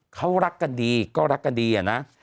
เขารักกันดีก็รักกันดีอะนะ